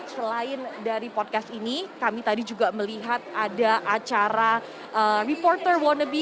selain dari podcast ini kami tadi juga melihat ada acara reporter wannabe